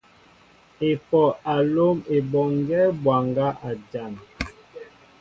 Epoh a lóm Eboŋgue bwaŋga a jan.